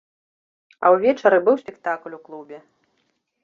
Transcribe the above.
А ўвечары быў спектакль у клубе.